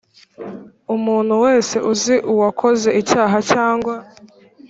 Umuntu wese uzi uwakoze icyaha cyangwa